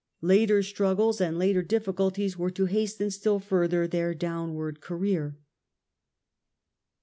Later struggles and later difficulties were to hasten still further their downward career.